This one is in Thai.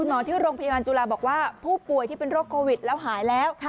หมอที่โรงพยาบาลจุฬาบอกว่าผู้ป่วยที่เป็นโรคโควิดแล้วหายแล้ว